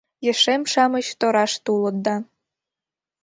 Ешем-шамыч тораште улыт да.